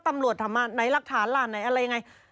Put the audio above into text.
ตำรวจทำมาไหนลักฐานล่ะอะไรอย่างไร